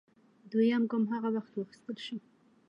دویم ګام هغه وخت واخیستل شو